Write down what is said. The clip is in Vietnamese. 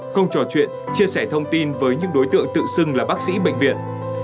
không trò chuyện chia sẻ thông tin với những đối tượng tự xưng là bác sĩ bệnh viện